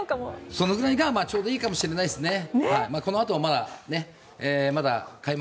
そのくらいがちょうどいいかもしれないですね。